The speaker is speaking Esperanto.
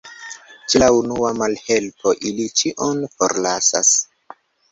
Ĉe la unua malhelpo, ili ĉion forlasas.